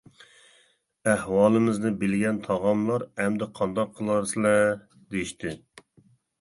ئەھۋالىمىزنى بىلگەن تاغاملار: «ئەمدى قانداق قىلارسىلەر! ؟» دېيىشتى.